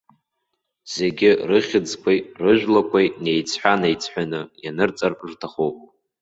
Зегьы рыхьӡқәеи рыжәлақәеи неиҵҳәа-неиҵҳәаны ианырҵар рҭахуп.